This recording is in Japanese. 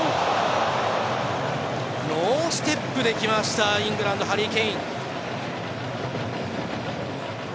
ノーステップできましたイングランドのハリー・ケイン。